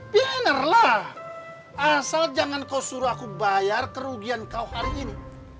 pianner lah asal jangan kau suruh aku bayar kerugian kau hari ini